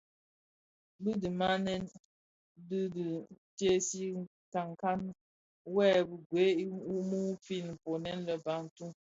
Bi dhinanèn di dhi tèèzi nkankan wu bi gued i mumfin mkpoňèn lè Bantu.